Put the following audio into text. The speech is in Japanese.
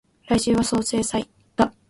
来週は相生祭だ